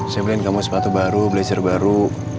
saya beliin kamu sepatu baru blazer baru